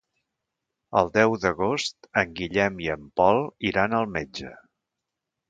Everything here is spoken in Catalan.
El deu d'agost en Guillem i en Pol iran al metge.